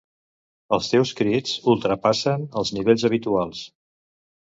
Els teus crits ultrapassen els nivells habituals.